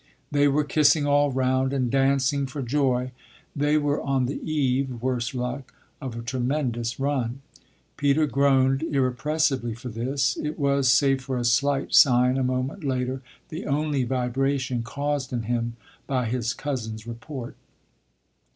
They were kissing all round and dancing for joy. They were on the eve, worse luck, of a tremendous run. Peter groaned irrepressibly for this; it was, save for a slight sign a moment later, the only vibration caused in him by his cousin's report.